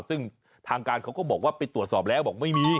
ซึ่งทางการเขาก็บอกว่าไปตรวจสอบแล้วบอกไม่มี